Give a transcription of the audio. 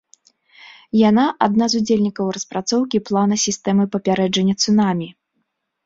Яна адна з удзельнікаў распрацоўкі плана сістэмы папярэджання цунамі.